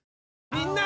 みんな！